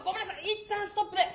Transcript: いったんストップで！